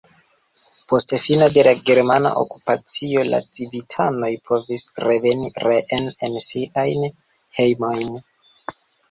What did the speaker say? Post fino de la germana okupacio la civitanoj povis reveni reen en siajn hejmojn.